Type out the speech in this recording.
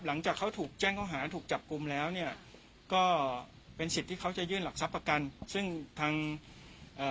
หลังจากเขาถูกแจ้งเขาหาถูกจับกลุ่มแล้วเนี่ยก็เป็นสิทธิ์ที่เขาจะยื่นหลักทรัพย์ประกันซึ่งทางเอ่อ